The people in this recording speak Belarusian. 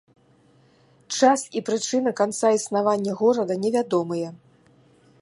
Час і прычыны канца існавання горада невядомыя.